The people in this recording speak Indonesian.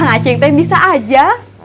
kang aceh yang teh bisa aja